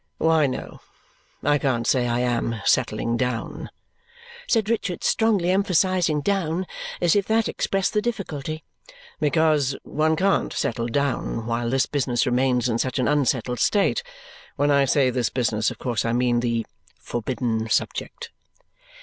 "Why, no, I can't say I am settling down," said Richard, strongly emphasizing "down," as if that expressed the difficulty, "because one can't settle down while this business remains in such an unsettled state. When I say this business, of course I mean the forbidden subject."